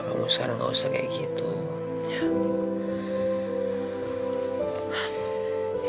kamu sekarang gak usah kayak gitu ya